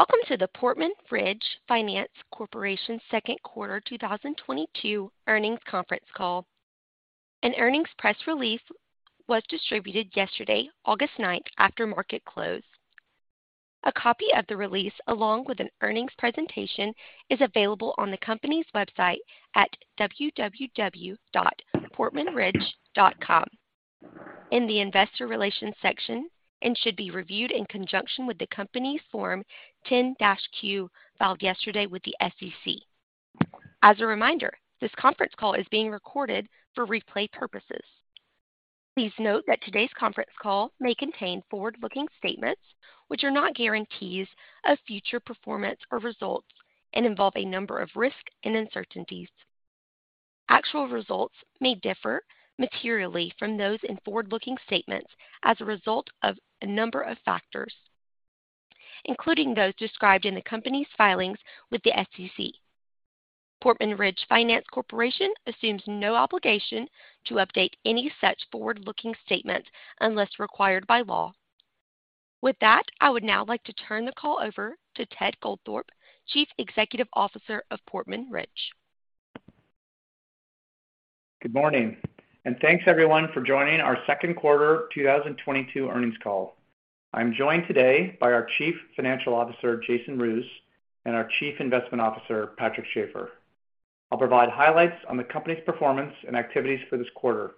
Welcome to the Portman Ridge Finance Corporation Second Quarter 2022 Earnings Conference Call. An earnings press release was distributed yesterday, August 9, after market close. A copy of the release, along with an earnings presentation, is available on the company's website at www.portmanridge.com in the investor relations section and should be reviewed in conjunction with the company's Form 10-Q filed yesterday with the SEC. As a reminder, this conference call is being recorded for replay purposes. Please note that today's conference call may contain forward-looking statements which are not guarantees of future performance or results and involve a number of risks and uncertainties. Actual results may differ materially from those in forward-looking statements as a result of a number of factors, including those described in the company's filings with the SEC. Portman Ridge Finance Corporation assumes no obligation to update any such forward-looking statements unless required by law. With that, I would now like to turn the call over to Ted Goldthorpe, Chief Executive Officer of Portman Ridge. Good morning, and thanks everyone for joining our second quarter 2022 earnings call. I'm joined today by our Chief Financial Officer, Jason Roos, and our Chief Investment Officer, Patrick Schafer. I'll provide highlights on the company's performance and activities for this quarter.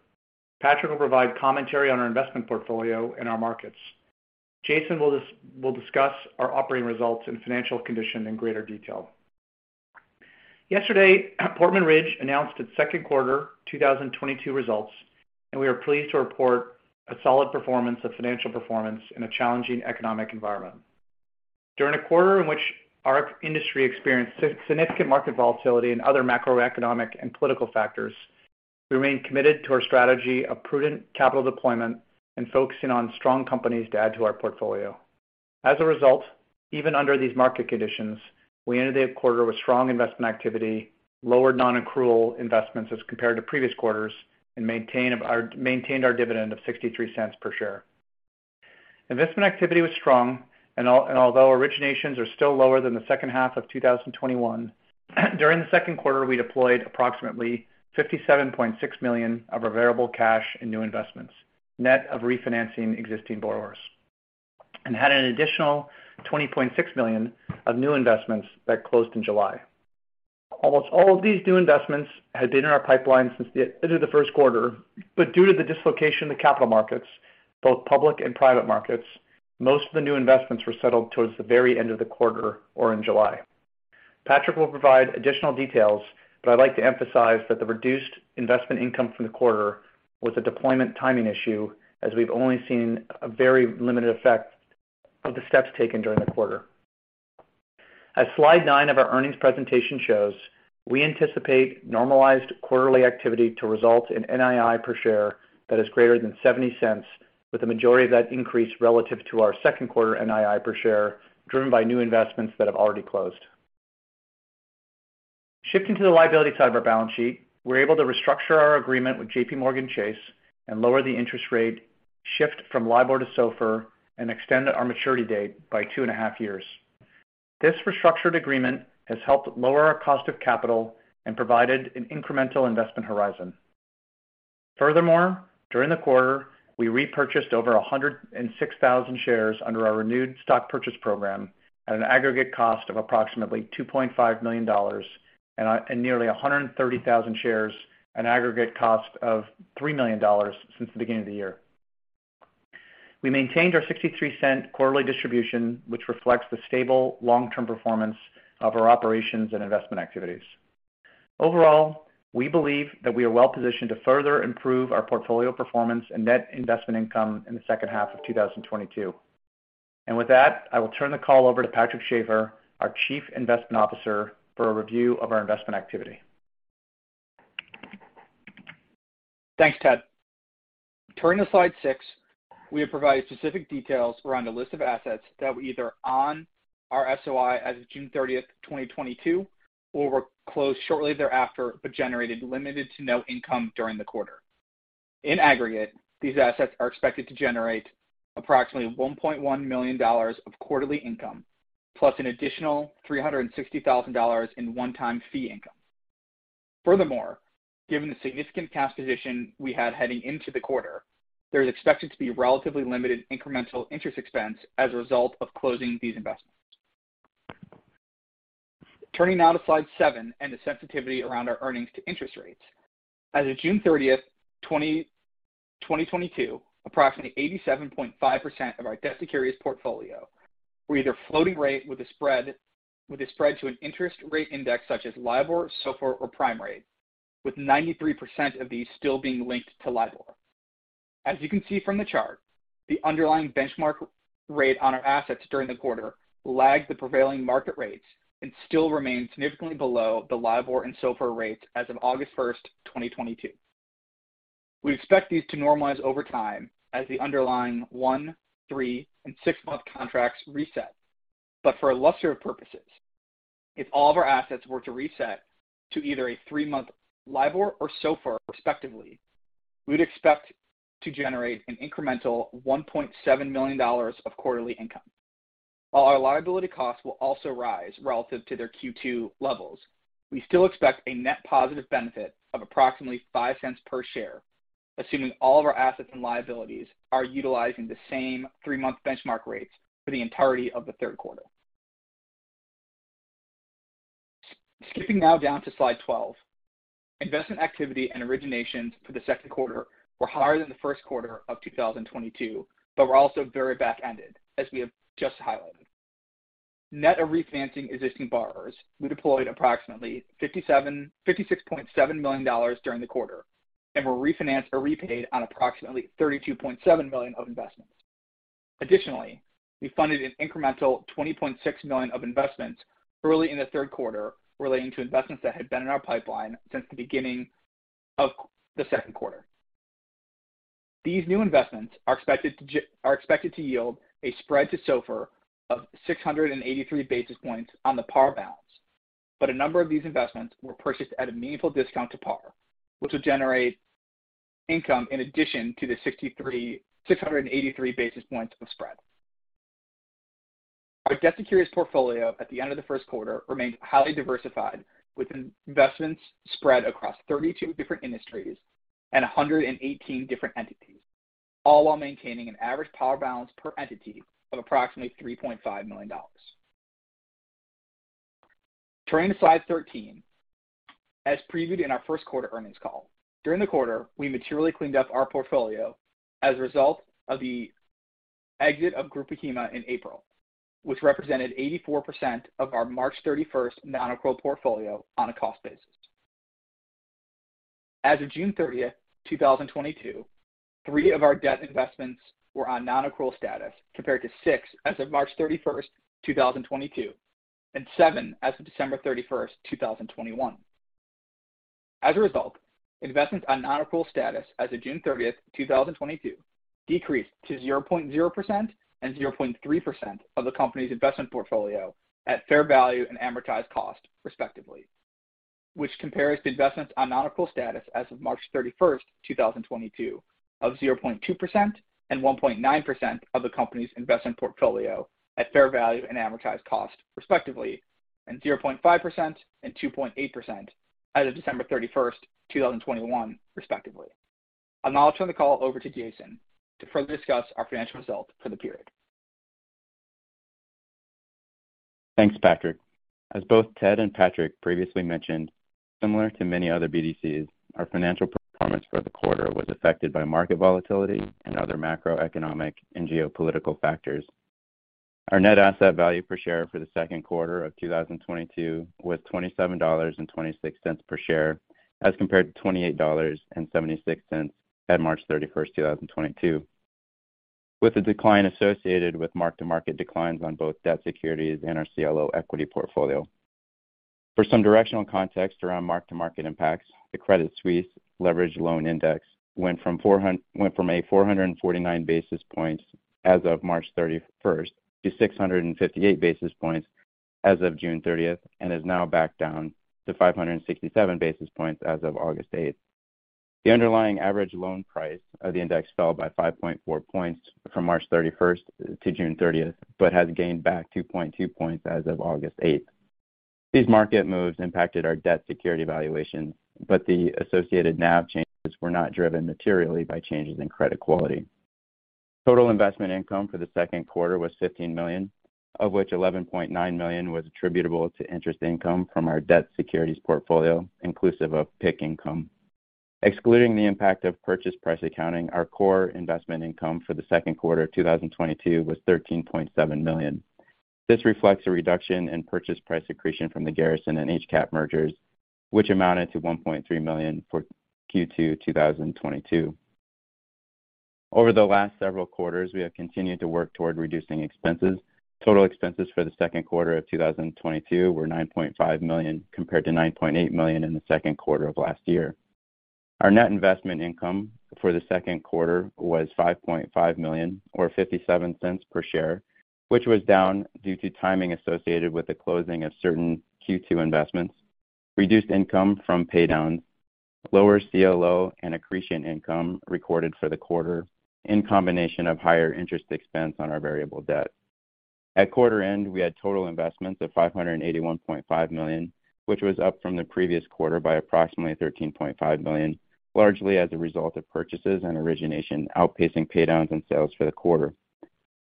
Patrick will provide commentary on our investment portfolio and our markets. Jason will discuss our operating results and financial condition in greater detail. Yesterday, Portman Ridge announced its second quarter 2022 results, and we are pleased to report a solid financial performance in a challenging economic environment. During a quarter in which our industry experienced significant market volatility and other macroeconomic and political factors, we remain committed to our strategy of prudent capital deployment and focusing on strong companies to add to our portfolio. As a result, even under these market conditions, we ended the quarter with strong investment activity, lowered non-accrual investments as compared to previous quarters, and maintained our dividend of $0.63 per share. Investment activity was strong and although originations are still lower than the second half of 2021, during the second quarter we deployed approximately $57.6 million of our available cash in new investments, net of refinancing existing borrowers, and had an additional $20.6 million of new investments that closed in July. Almost all of these new investments had been in our pipeline into the first quarter, but due to the dislocation in the capital markets, both public and private markets, most of the new investments were settled towards the very end of the quarter or in July. Patrick will provide additional details, but I'd like to emphasize that the reduced investment income from the quarter was a deployment timing issue, as we've only seen a very limited effect of the steps taken during the quarter. As Slide 9 of our earnings presentation shows, we anticipate normalized quarterly activity to result in NII per share that is greater than $0.70, with the majority of that increase relative to our second quarter NII per share driven by new investments that have already closed. Shifting to the liability side of our balance sheet, we're able to restructure our agreement with J.P. Morgan Chase and lower the interest rate and shift from LIBOR to SOFR and extend our maturity date by two and a half years. This restructured agreement has helped lower our cost of capital and provided an incremental investment horizon. Furthermore, during the quarter, we repurchased over 106,000 shares under our renewed stock purchase program at an aggregate cost of approximately $2.5 million and nearly 130,000 shares at an aggregate cost of $3 million since the beginning of the year. We maintained our $0.63 quarterly distribution, which reflects the stable long-term performance of our operations and investment activities. Overall, we believe that we are well positioned to further improve our portfolio performance and net investment income in the second half of 2022. With that, I will turn the call over to Patrick Schafer, our Chief Investment Officer, for a review of our investment activity. Thanks, Ted. Turning to Slide 6, we have provided specific details around a list of assets that were either on our SOI as of June 30th, 2022 or were closed shortly thereafter, but generated limited to no income during the quarter. In aggregate, these assets are expected to generate approximately $1.1 million of quarterly income, plus an additional $360,000 in one-time fee income. Furthermore, given the significant cash position we had heading into the quarter, there is expected to be relatively limited incremental interest expense as a result of closing these investments. Turning now to Slide 7 and the sensitivity around our earnings to interest rates. As of June 30th, 2022, approximately 87.5% of our debt securities portfolio were either floating rate with a spread to an interest rate index such as LIBOR, SOFR, or Prime Rate, with 93% of these still being linked to LIBOR. As you can see from the chart, the underlying benchmark rate on our assets during the quarter lagged the prevailing market rates and still remain significantly below the LIBOR and SOFR rates as of August 1st, 2022. We expect these to normalize over time as the underlying one, three, and six-month contracts reset. But for illustrative purposes, if all of our assets were to reset to either a three-month LIBOR or SOFR respectively, we'd expect to generate an incremental $1.7 million of quarterly income. While our liability costs will also rise relative to their Q2 levels, we still expect a net positive benefit of approximately $0.05 per share, assuming all of our assets and liabilities are utilizing the same three-month benchmark rates for the entirety of the third quarter. Skipping now down to Slide 12. Investment activity and originations for the second quarter were higher than the first quarter of 2022, but were also very back-ended, as we have just highlighted. Net of refinancing existing borrowers, we deployed approximately $56.7 million during the quarter and were refinanced or repaid on approximately $32.7 million of investments. Additionally, we funded an incremental $20.6 million of investments early in the third quarter relating to investments that had been in our pipeline since the beginning of the second quarter. These new investments are expected to yield a spread to SOFR of 683 basis points on the par balance. A number of these investments were purchased at a meaningful discount to par, which will generate income in addition to the 683 basis points of spread. Our debt securities portfolio at the end of the first quarter remains highly diversified, with investments spread across 32 different industries and 118 different entities, all while maintaining an average par balance per entity of approximately $3.5 million. Turning to Slide 13. As previewed in our first quarter earnings call, during the quarter, we materially cleaned up our portfolio as a result of the exit of Grupo Hima in April, which represented 84% of our March 31st non-accrual portfolio on a cost basis. As of June 30th, 2022, 3 of our debt investments were on non-accrual status, compared to six as of March 31st, 2022, and seven as of December 31st, 2021. As a result, investments on non-accrual status as of June 30th, 2022, decreased to 0.0% and 0.3% of the company's investment portfolio at fair value and amortized cost, respectively. Which compares to investments on non-accrual status as of March 31st, 2022 of 0.2% and 1.9% of the company's investment portfolio at fair value and amortized cost, respectively, and 0.5% and 2.8% as of December 31st, 2021, respectively. I'll now turn the call over to Jason to further discuss our financial results for the period. Thanks, Patrick. As both Ted and Patrick previously mentioned, similar to many other BDCs, our financial performance for the quarter was affected by market volatility and other macroeconomic and geopolitical factors. Our net asset value per share for the second quarter of 2022 was $27.26 per share as compared to $28.76 at March 31st, 2022, with the decline associated with mark-to-market declines on both debt securities and our CLO equity portfolio. For some directional context around mark-to-market impacts, the Credit Suisse Leveraged Loan Index went from a 449 basis points as of March 31st to 658 basis points as of June 30th and is now back down to 567 basis points as of August 8th. The underlying average loan price of the index fell by 5.4 points from March 31st to June 30th, but has gained back 2.2 points as of August 8th. These market moves impacted our debt security valuations, but the associated NAV changes were not driven materially by changes in credit quality. Total investment income for the second quarter was $15 million, of which $11.9 million was attributable to interest income from our debt securities portfolio, inclusive of PIK income. Excluding the impact of purchase price accounting, our core investment income for the second quarter of 2022 was $13.7 million. This reflects a reduction in purchase price accretion from the Garrison and HCAP mergers, which amounted to $1.3 million for Q2 2022. Over the last several quarters, we have continued to work toward reducing expenses. Total expenses for the second quarter of 2022 were $9.5 million, compared to $9.8 million in the second quarter of last year. Our net investment income for the second quarter was $5.5 million or $0.57 per share, which was down due to timing associated with the closing of certain Q2 investments, reduced income from pay downs, lower CLO and accretion income recorded for the quarter in combination with higher interest expense on our variable debt. At quarter end, we had total investments of $581.5 million, which was up from the previous quarter by approximately $13.5 million, largely as a result of purchases and origination outpacing pay downs and sales for the quarter.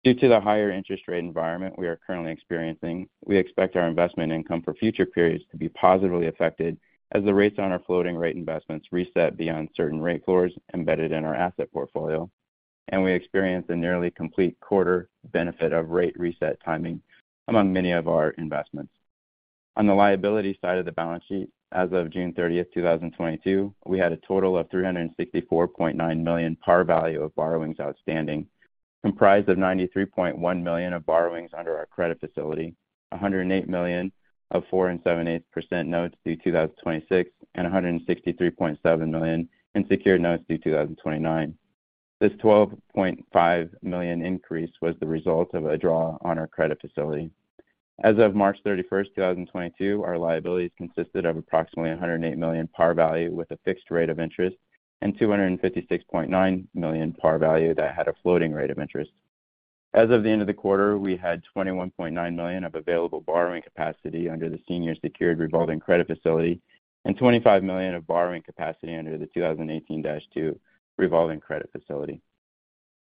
Due to the higher interest rate environment we are currently experiencing, we expect our investment income for future periods to be positively affected as the rates on our floating rate investments reset beyond certain rate floors embedded in our asset portfolio, and we experience a nearly complete quarter benefit of rate reset timing among many of our investments. On the liability side of the balance sheet, as of June 30th, 2022, we had a total of $364.9 million par value of borrowings outstanding, comprised of $93.1 million of borrowings under our credit facility, $108 million of 4.78% Notes due 2026, and $163.7 million in secured notes due 2029. This $12.5 million increase was the result of a draw on our credit facility. As of March 31st, 2022, our liabilities consisted of approximately $108 million par value with a fixed rate of interest and $256.9 million par value that had a floating rate of interest. As of the end of the quarter, we had $21.9 million of available borrowing capacity under the senior secured revolving credit facility and $25 million of borrowing capacity under the 2018-2 revolving credit facility.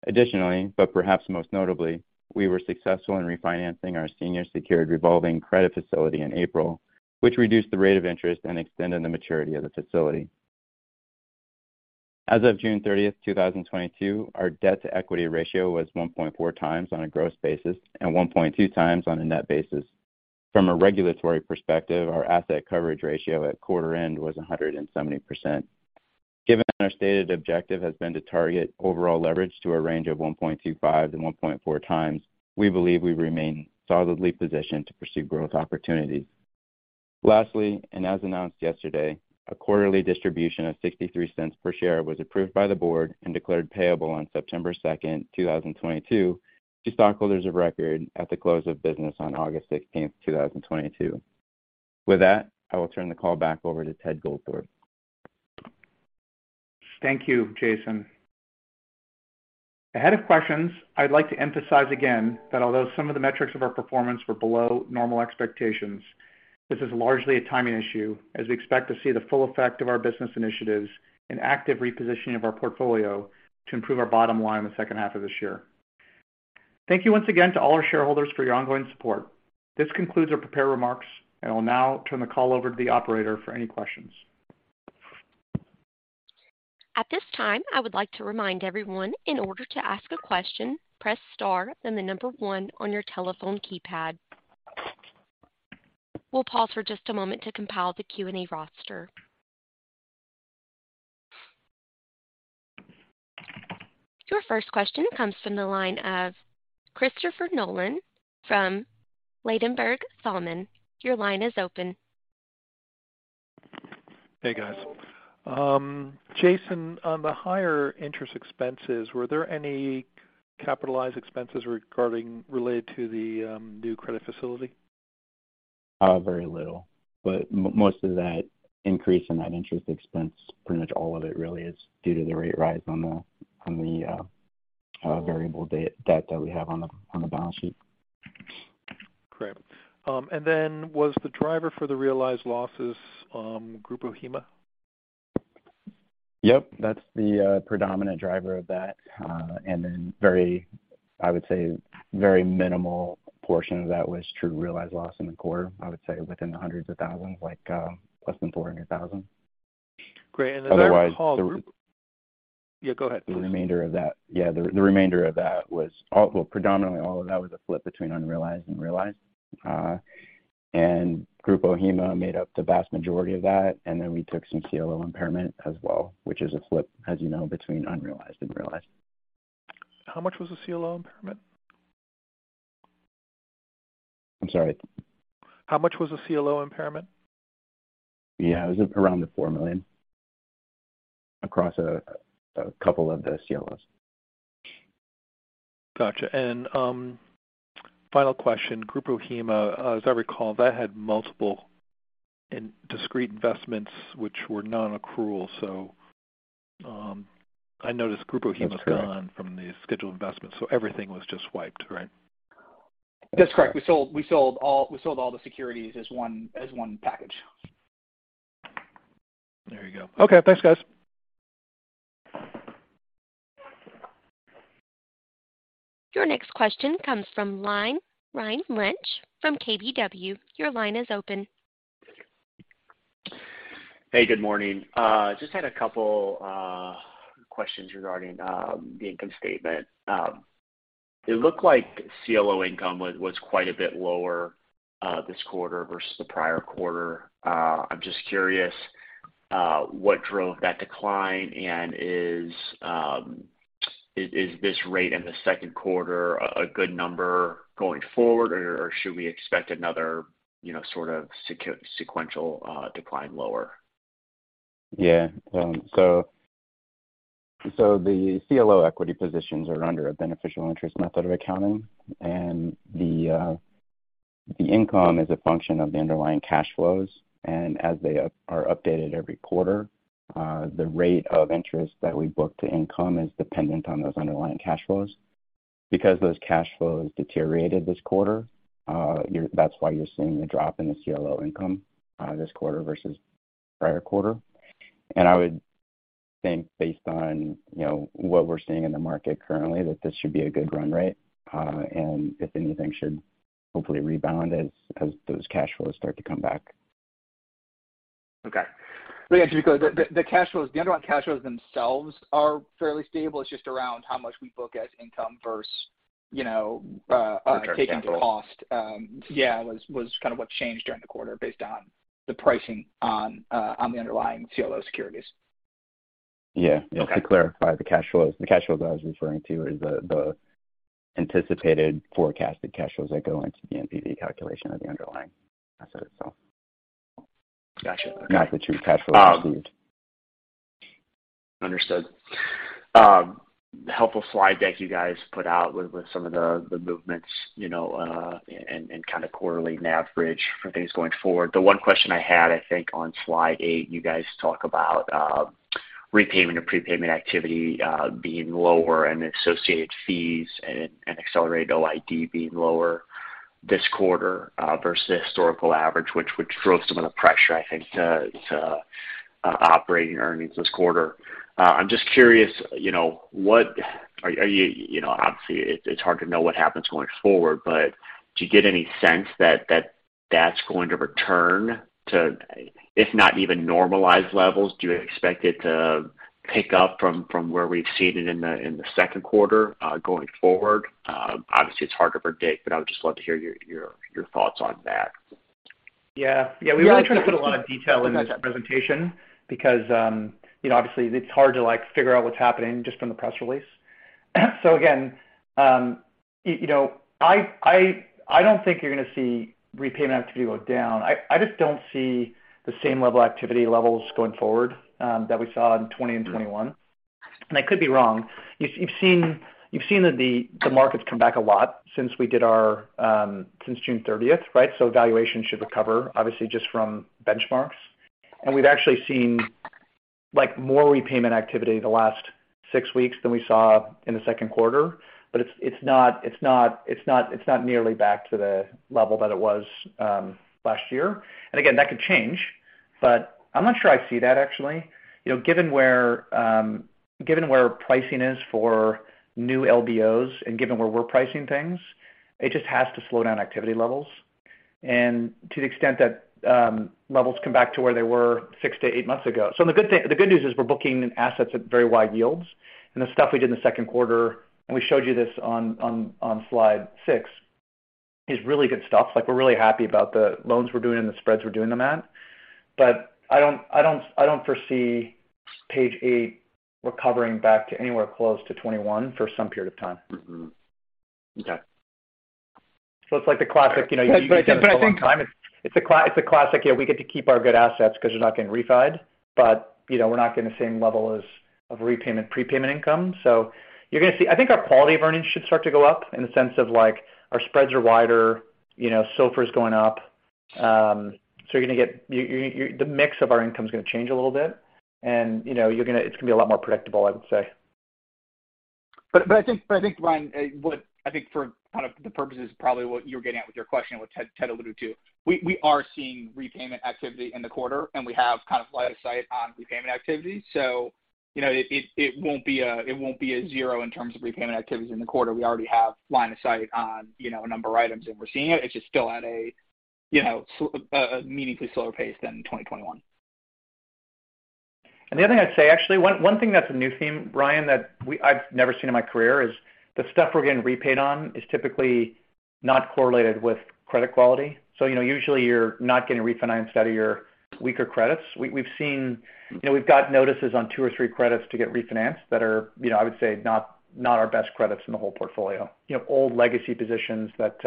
Additionally, perhaps most notably, we were successful in refinancing our senior secured revolving credit facility in April, which reduced the rate of interest and extended the maturity of the facility. As of June 30th, 2022, our debt-to-equity ratio was 1.4x on a gross basis and 1.2x on a net basis. From a regulatory perspective, our asset coverage ratio at quarter end was 170%. Given our stated objective has been to target overall leverage to a range of 1.25x and 1.4x, we believe we remain solidly positioned to pursue growth opportunities. Lastly, and as announced yesterday, a quarterly distribution of $0.63 per share was approved by the board and declared payable on September 2nd, 2022 to stockholders of record at the close of business on August 16th, 2022. With that, I will turn the call back over to Ted Goldthorpe. Thank you, Jason. Ahead of questions, I'd like to emphasize again that although some of the metrics of our performance were below normal expectations, this is largely a timing issue, as we expect to see the full effect of our business initiatives and active repositioning of our portfolio to improve our bottom line in the second half of this year. Thank you once again to all our shareholders for your ongoing support. This concludes our prepared remarks, and I'll now turn the call over to the operator for any questions. At this time, I would like to remind everyone, in order to ask a question, press star then the number one on your telephone keypad. We'll pause for just a moment to compile the Q&A roster. Your first question comes from the line of Christopher Nolan from Ladenburg Thalmann. Your line is open. Hey, guys. Jason, on the higher interest expenses, were there any capitalized expenses related to the new credit facility? Very little, but most of that increase in that interest expense, pretty much all of it really is due to the rate rise on the variable debt that we have on the balance sheet. Great. Was the driver for the realized losses, Grupo Hima? Yep, that's the predominant driver of that. Very minimal portion of that was true realized loss in the quarter. I would say within the hundreds of thousands, like, less than $400,000. Great. As I recall. Otherwise— Yeah, go ahead. The remainder of that, well, predominantly all of that was a flip between unrealized and realized. Grupo Hima made up the vast majority of that. Then we took some CLO impairment as well, which is a flip, as you know, between unrealized and realized. How much was the CLO impairment? I'm sorry? How much was the CLO impairment? Yeah. It was around $4 million across a couple of the CLOs. Gotcha. Final question. Grupo Hima, as I recall, that had multiple and discrete investments which were non-accrual. I noticed Grupo Hima— That's correct. Is gone from the scheduled investment. Everything was just wiped, right? That's correct. We sold all the securities as one package. There you go. Okay. Thanks, guys. Your next question comes from line Ryan Lynch from KBW. Your line is open. Hey, good morning. Just had a couple questions regarding the income statement. It looked like CLO income was quite a bit lower this quarter versus the prior quarter. I'm just curious what drove that decline? Is this rate in the second quarter a good number going forward? Or should we expect another, you know, sort of sequential decline lower? Yeah. So the CLO equity positions are under a beneficial interest method of accounting. The income is a function of the underlying cash flows. As they are updated every quarter, the rate of interest that we book to income is dependent on those underlying cash flows. Because those cash flows deteriorated this quarter, that's why you're seeing a drop in the CLO income this quarter versus prior quarter. I would think based on you know what we're seeing in the market currently, that this should be a good run rate, and if anything, should hopefully rebound as those cash flows start to come back. Okay. Yeah. Just because the cash flows, the underlying cash flows themselves are fairly stable. It's just around how much we book as income versus, you know, Return of capital. Taken to cost was kind of what changed during the quarter based on the pricing on the underlying CLO securities. Yeah. Okay. Just to clarify, the cash flows I was referring to is the anticipated forecasted cash flows that go into the NPV calculation of the underlying assets itself. Gotcha. Not the two cash flows received. Understood. Helpful slide deck you guys put out with some of the movements, you know, and kinda quarterly NAV bridge for things going forward. The one question I had, I think on Slide 8, you guys talk about repayment of prepayment activity being lower and associated fees and accelerated OID being lower this quarter versus the historical average, which drove some of the pressure, I think, to operating earnings this quarter. I'm just curious, you know, what are you. You know, obviously it's hard to know what happens going forward, but do you get any sense that that's going to return to, if not even normalized levels, do you expect it to pick up from where we've seen it in the second quarter going forward? Obviously it's hard to predict, but I would just love to hear your thoughts on that. Yeah. Yeah. We really try to put a lot of detail in this presentation because, you know, obviously it's hard to, like, figure out what's happening just from the press release. You know, I don't think you're gonna see repayment activity go down. I just don't see the same level activity levels going forward that we saw in 2020 and 2021. I could be wrong. You've seen that the market's come back a lot since June thirtieth, right? Valuation should recover, obviously just from benchmarks. We've actually seen, like, more repayment activity in the last six weeks than we saw in the second quarter. It's not nearly back to the level that it was last year. Again, that could change, but I'm not sure I see that actually. You know, given where pricing is for new LBOs and given where we're pricing things, it just has to slow down activity levels. To the extent that levels come back to where they were six to eight months ago. The good thing, the good news is we're booking assets at very wide yields. The stuff we did in the second quarter, and we showed you this on Slide 6, is really good stuff. Like, we're really happy about the loans we're doing and the spreads we're doing them at. But I don't foresee page eight recovering back to anywhere close to 21 for some period of time. Okay. It's like the classic, you know. I think. It's a classic, you know, we get to keep our good assets 'cause they're not getting refinanced, but, you know, we're not getting the same level of repayment, prepayment income. You're gonna see. I think our quality of earnings should start to go up in the sense of, like, our spreads are wider, you know, SOFR is going up. You're gonna get. The mix of our income is gonna change a little bit and, you know, it's gonna be a lot more predictable, I would say. I think, Ryan, what I think for kind of the purposes, probably what you're getting at with your question, what Ted alluded to, we are seeing repayment activity in the quarter, and we have kind of line of sight on repayment activity. You know, it won't be a zero in terms of repayment activities in the quarter. We already have line of sight on, you know, a number of items, and we're seeing it. It's just still at a, you know, a meaningfully slower pace than in 2021. The other thing I'd say, actually, one thing that's a new theme, Ryan, that I've never seen in my career is the stuff we're getting repaid on is typically not correlated with credit quality. You know, usually you're not getting refinanced out of your weaker credits. We've seen you know we've got notices on two or three credits to get refinanced that are, you know, I would say not our best credits in the whole portfolio. You know, old legacy positions that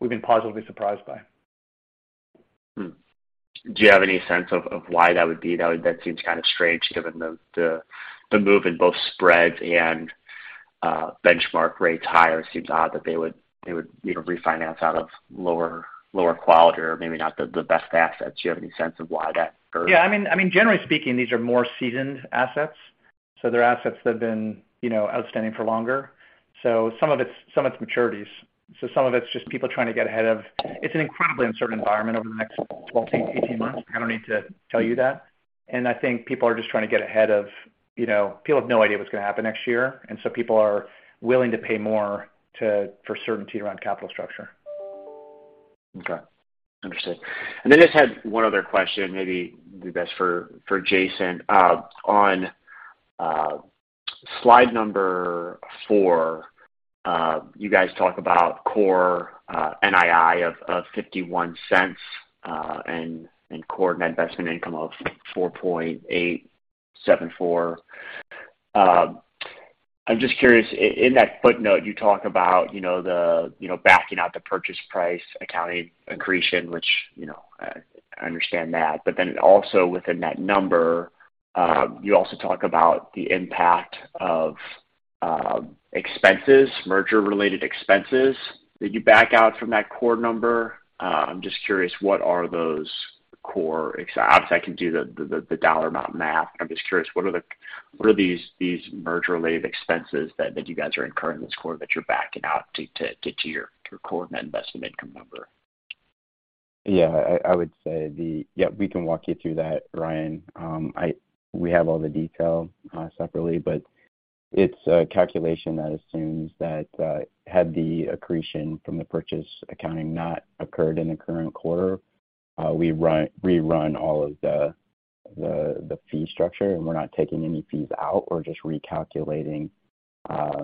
we've been positively surprised by. Do you have any sense of why that would be? That seems kind of strange given the move in both spreads and benchmark rates higher. It seems odd that they would, you know, refinance out of lower quality or maybe not the best assets. Do you have any sense of why that occurred? Yeah. I mean, generally speaking, these are more seasoned assets, so they're assets that have been, you know, outstanding for longer. Some of it's maturities. Some of it's just people trying to get ahead of. It's an incredibly uncertain environment over the next 12 to 18 months. I don't need to tell you that. I think people are just trying to get ahead of, you know. People have no idea what's gonna happen next year, and people are willing to pay more for certainty around capital structure. Okay. Understood. I just had one other question, maybe best for Jason. On Slide 4, you guys talk about core NII of $0.51 and core net investment income of $4.874. I'm just curious. In that footnote, you talk about, you know, the, you know, backing out the purchase price accounting accretion, which, you know, I understand that. But then also within that number, you also talk about the impact of expenses, merger-related expenses that you back out from that core number. I'm just curious, what are those core ex- Obviously I can do the dollar amount math. I'm just curious, what are these merger-related expenses that you guys are incurring this quarter that you're backing out to your core net investment income number? Yeah, we can walk you through that, Ryan. We have all the details separately, but it's a calculation that assumes that had the accretion from the purchase accounting not occurred in the current quarter, we rerun all of the fee structure, and we're not taking any fees out. We're just recalculating, you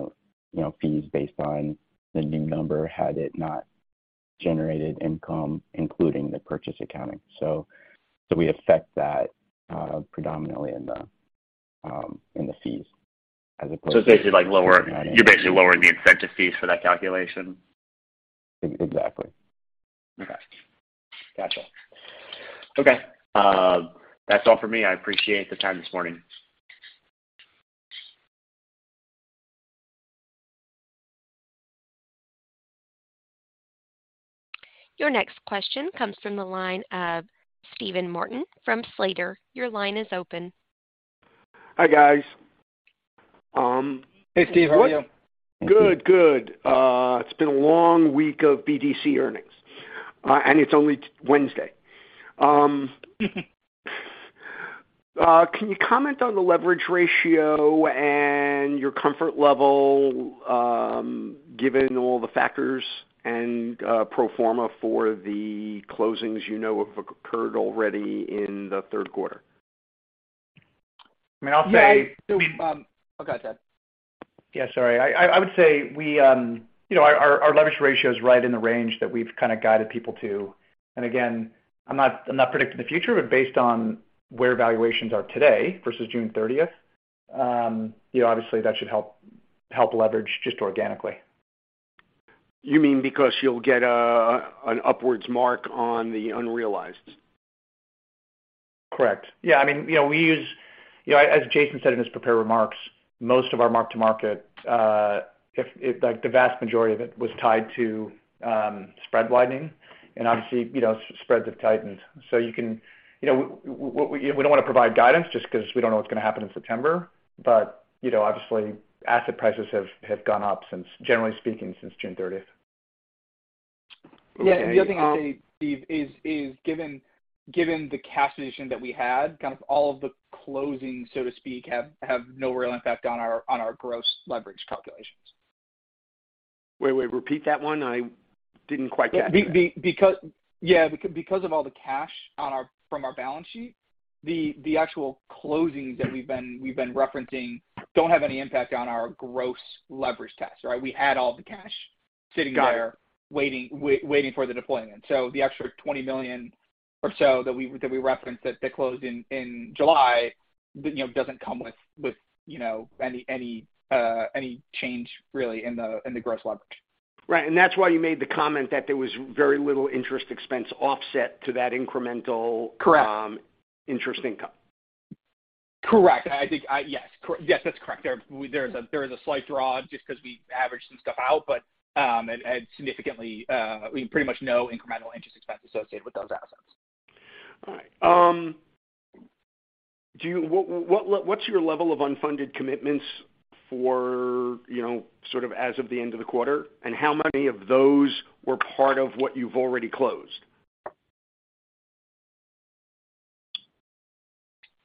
know, fees based on the new number, had it not generated income, including the purchase accounting. We affect that predominantly in the fees as opposed to. It's basically like you're basically lowering the incentive fees for that calculation? Exactly. Okay. Gotcha. Okay. That's all for me. I appreciate the time this morning. Your next question comes from the line of Steven Martin from Slater. Your line is open. Hi, guys. Hey, Steve. How are you? Good, good. It's been a long week of BDC earnings, and it's only Wednesday. Can you comment on the leverage ratio and your comfort level, given all the factors and pro forma for the closings you know have occurred already in the third quarter? I mean, I'll say— Go ahead, Ted. Yeah, sorry. I would say we, you know, our leverage ratio is right in the range that we've kinda guided people to. Again, I'm not predicting the future, but based on where valuations are today versus June thirtieth, you know, obviously that should help leverage just organically. You mean because you'll get an upwards mark on the unrealized? Correct. Yeah, I mean, you know, we use. You know, as Jason said in his prepared remarks, most of our mark-to-market, if like the vast majority of it was tied to, spread widening and obviously, you know, spreads have tightened. You can, you know, we don't wanna provide guidance just 'cause we don't know what's gonna happen in September, but, you know, obviously asset prices have gone up since, generally speaking, since June thirtieth. Okay. Yeah, the other thing I'd say, Steve, is given the cash position that we had, kind of all of the closing, so to speak, have no real impact on our gross leverage calculations. Wait, repeat that one. I didn't quite catch that. Yeah, because of all the cash from our balance sheet, the actual closings that we've been referencing don't have any impact on our gross leverage test, right? We had all the cash sitting there. Got it. Waiting for the deployment. The extra $20 million or so that we referenced that closed in July, but you know, doesn't come with you know, any change really in the gross leverage. Right. That's why you made the comment that there was very little interest expense offset to that incremental interest income. Correct. I think, yes. Yes, that's correct. There is a slight draw just 'cause we averaged some stuff out, but it had significantly, we had pretty much no incremental interest expense associated with those assets. All right. What's your level of unfunded commitments for, you know, sort of as of the end of the quarter? How many of those were part of what you've already closed?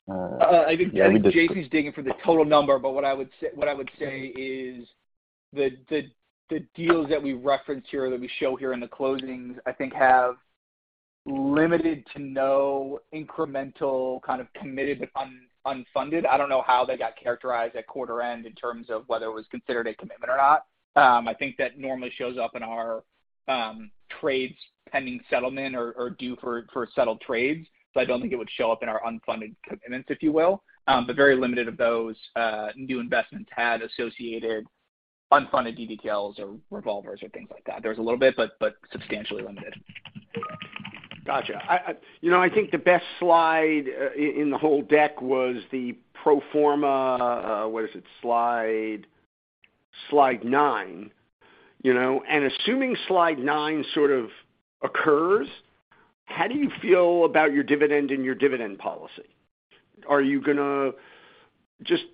Yeah, I mean, just— I think Jason's digging for the total number, but what I would say is the deals that we reference here, that we show here in the closings, I think have limited to no incremental kind of committed but unfunded. I don't know how they got characterized at quarter end in terms of whether it was considered a commitment or not. I think that normally shows up in our trades pending settlement or due for settled trades. I don't think it would show up in our unfunded commitments, if you will. But very limited of those new investments had associated unfunded DDTLs or revolvers or things like that. There was a little bit, but substantially limited. Gotcha. You know, I think the best slide in the whole deck was the pro forma, what is it? Slide 9, you know. Assuming Slide 9 sort of occurs, how do you feel about your dividend and your dividend policy? Are you gonna just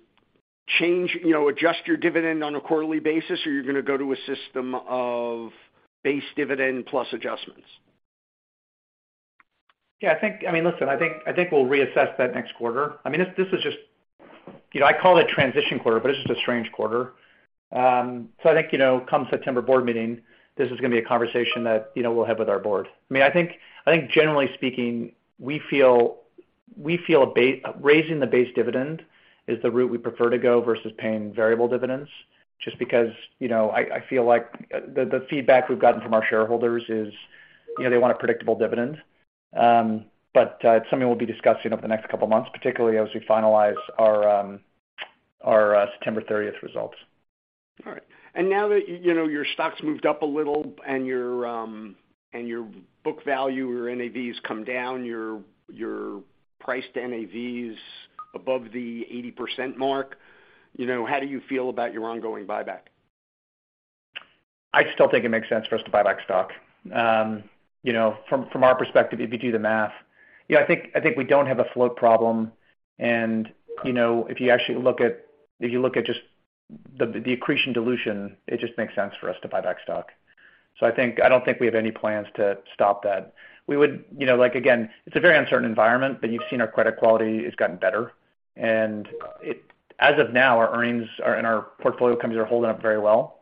change, you know, adjust your dividend on a quarterly basis, or you're gonna go to a system of base dividend plus adjustments? Yeah, I think. I mean, listen, I think we'll reassess that next quarter. I mean, this is just. You know, I call it transition quarter, but it's just a strange quarter. So I think, you know, come September board meeting, this is gonna be a conversation that, you know, we'll have with our board. I mean, I think generally speaking, we feel Raising the base dividend is the route we prefer to go versus paying variable dividends, just because, you know, I feel like the feedback we've gotten from our shareholders is, you know, they want a predictable dividend. But it's something we'll be discussing over the next couple of months, particularly as we finalize our September thirtieth results. All right. Now that, you know, your stock's moved up a little and your book value, your NAV's come down, your price to NAV's above the 80% mark, you know, how do you feel about your ongoing buyback? I still think it makes sense for us to buy back stock. You know, from our perspective, if you do the math, you know, I think we don't have a float problem and, you know, if you look at just the accretion dilution, it just makes sense for us to buy back stock. I think, I don't think we have any plans to stop that. We would, you know, like, again, it's a very uncertain environment, but you've seen our credit quality has gotten better. And as of now, our earnings are, and our portfolio companies are holding up very well.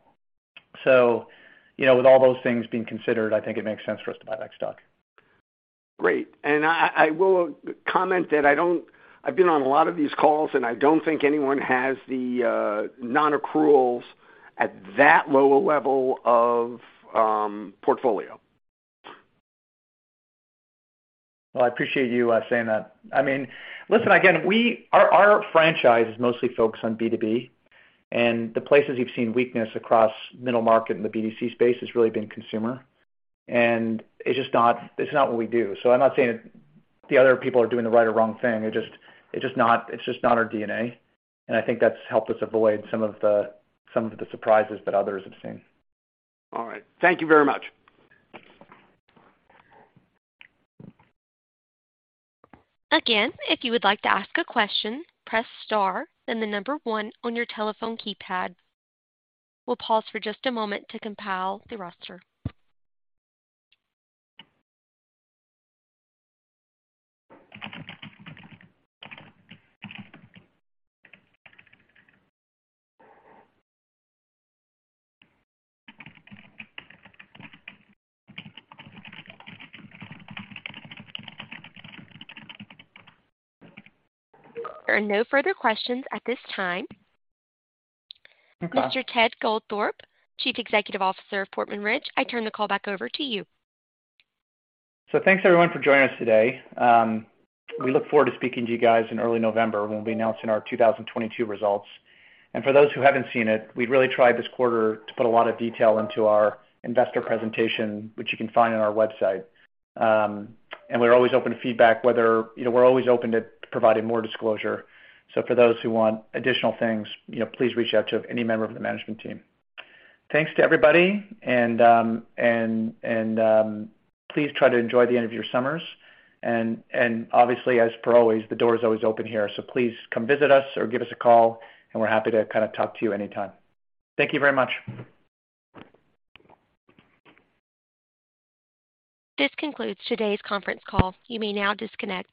You know, with all those things being considered, I think it makes sense for us to buy back stock. Great. I will comment that I've been on a lot of these calls, and I don't think anyone has the non-accruals at that low a level of portfolio. Well, I appreciate you saying that. I mean, listen again, our franchise is mostly focused on B2B, and the places you've seen weakness across middle market in the B2C space has really been consumer. It's just not what we do. I'm not saying the other people are doing the right or wrong thing. It's just not our DNA, and I think that's helped us avoid some of the surprises that others have seen. All right. Thank you very much. Again, if you would like to ask a question, press star then the number one on your telephone keypad. We'll pause for just a moment to compile the roster. There are no further questions at this time. Mr. Ted Goldthorpe, Chief Executive Officer of Portman Ridge, I turn the call back over to you. Thanks everyone for joining us today. We look forward to speaking to you guys in early November when we announce our 2022 results. For those who haven't seen it, we really tried this quarter to put a lot of detail into our investor presentation, which you can find on our website. We're always open to feedback, you know, we're always open to providing more disclosure. For those who want additional things, you know, please reach out to any member of the management team. Thanks to everybody, please try to enjoy the end of your summers. Obviously, as always, the door is always open here. Please come visit us or give us a call, and we're happy to kind of talk to you anytime. Thank you very much. This concludes today's conference call. You may now disconnect.